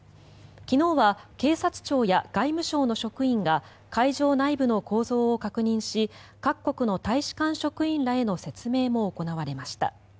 昨日は警察庁や外務省の職員が会場内部の構造を確認し各国の大使館職員らへの説明も行われました。